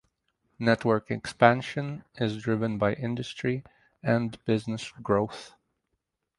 Network expansion is driven by industry and business growth.